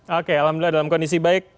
oke alhamdulillah dalam kondisi baik